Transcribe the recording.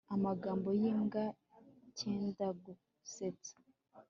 amagambo yimbwa byendagusetsa